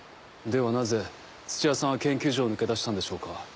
ではなぜ土屋さんは研究所を抜け出したんでしょうか。